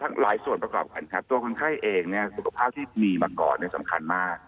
ทั้งหลายส่วนประกอบกันตัวคนไข้เองสุขภาพที่มีมาก่อนสำคัญมาก